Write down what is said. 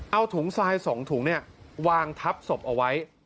เอาถุงทรายสองถุงเนี่ยวางทับศพเอาไว้